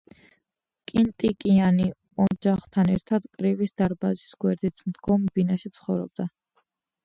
კენტიკიანი ოჯახთან ერთად კრივის დარბაზის გვერდით მდგომ ბინაში ცხოვრობდა.